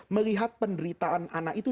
melihat penderitaan itu